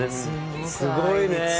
すごいね。